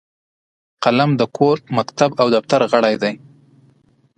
قلم د کور، مکتب او دفتر غړی دی